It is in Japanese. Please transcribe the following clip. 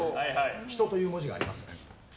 人という文字があります。